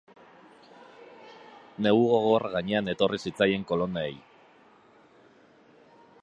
Negu gogorra gainean etorri zitzaien kolonoei.